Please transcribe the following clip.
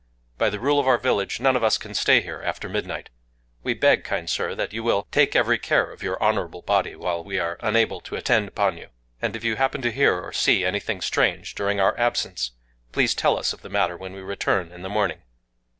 By the rule of our village, none of us can stay here after midnight. We beg, kind Sir, that you will take every care of your honorable body, while we are unable to attend upon you. And if you happen to hear or see anything strange during our absence, please tell us of the matter when we return in the morning."